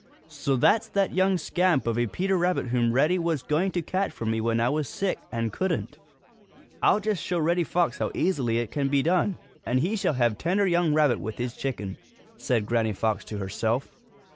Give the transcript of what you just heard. "So that's that young scamp of a Peter Rabbit whom Reddy was going to catch for me when I was sick and couldn't! I'll just show Reddy Fox how easily it can be done, and he shall have tender young rabbit with his chicken!" said Granny Fox to herself.